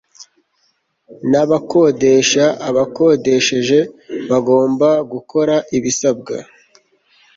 n abakodesha Abakodesheje bagomba gukora ibisabwa